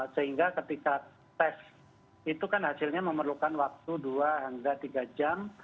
sehingga ketika tes itu kan hasilnya memerlukan waktu dua hingga tiga jam